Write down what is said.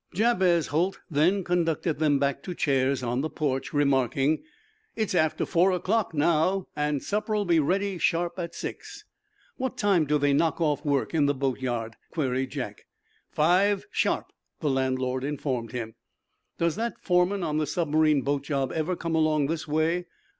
Jabez Holt then conducted them back to chairs on the porch, remarking: "It's after four o'clock now, and supper'll be ready sharp at six." "What time do they knock off work in the boatyard?" queried Jack. "Five, sharp," the landlord informed him. "Does that foreman on the submarine boat job ever come along this way?"